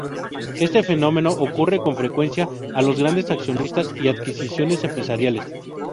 Este fenómeno ocurre con frecuencia a los grandes accionistas y adquisiciones empresariales.